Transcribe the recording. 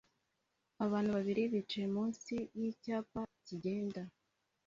Abantu babiri bicaye munsi yicyapa kigenda